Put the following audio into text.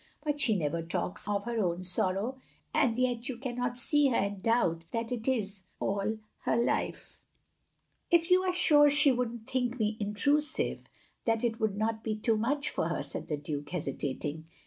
But she never talks of— of her own sorrow, and yet — and yet you cannot see her and doubt that it is — ^all her life. " "If you are sure she would n't think me in trusive — that it would not be too much for her, " said the Duke, hesitating.